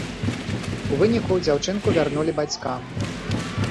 У выніку, дзяўчынку вярнулі бацькам.